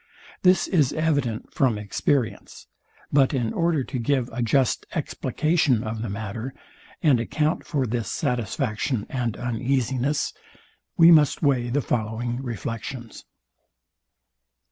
This is evident from experience; but in order to give a just explication of the matter, and account for this satisfaction and uneasiness, we must weigh the following reflections.